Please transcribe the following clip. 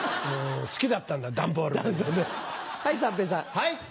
はい。